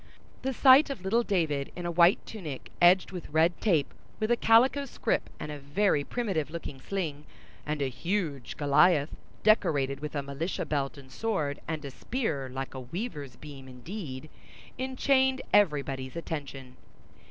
The sight of little David in a white tunic edged with red tape, with a calico scrip and a very primitive looking sling; and a huge Goliath decorated with a militia belt and sword, and a spear like a weaver's beam indeed, enchained everybody's attention.